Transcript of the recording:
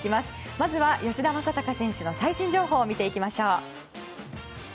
まずは吉田正尚選手の最新情報を見ていきましょう。